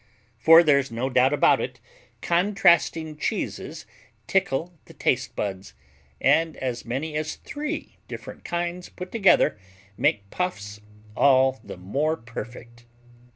For there's no doubt about it, contrasting cheeses tickle the taste buds, and as many as three different kinds put together make Puffs all the more perfect.